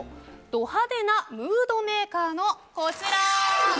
ド派手なムードメーカーのこちら。